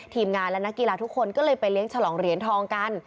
ทีมงานและนักกีฬาทุกคนก็เลยไปเลี้ยงฉลองเหรียญทองกัน